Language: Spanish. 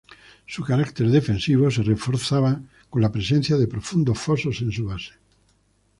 Su carácter defensivo se reforzaba con la presencia de profundos fosos en su base.